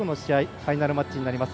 ファイナルマッチになります